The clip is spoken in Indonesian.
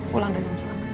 pulang dengan selamat